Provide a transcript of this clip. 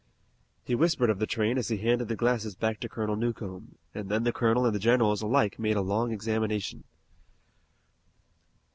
He whispered of the train as he handed the glasses back to Colonel Newcomb, and then the colonel and the generals alike made a long examination.